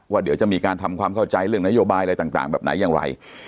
เดี๋ยวจะมีการทำความเข้าใจเรื่องนโยบายอะไรต่างแบบไหนอย่างไร